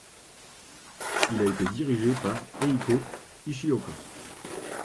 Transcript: Il a été dirigé par Eiko Ishioka.